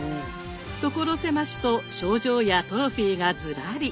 所狭しと賞状やトロフィーがずらり！